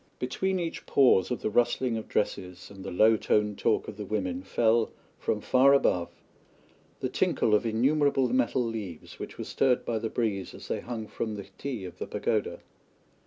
Between each pause of the rustling of dresses and the low toned talk of the women fell, from far above, the tinkle of innumerable metal leaves which were stirred by the breeze as they hung from the 'htee of the pagoda.